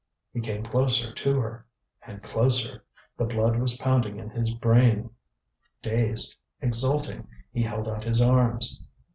He came closer to her and closer the blood was pounding in his brain. Dazed, exulting, he held out his arms.